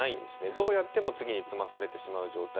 どうやっても次に詰まされてしまう状態